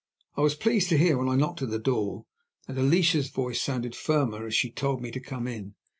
I was pleased to hear, when I knocked at the door, that Alicia's voice sounded firmer as she told me to come in.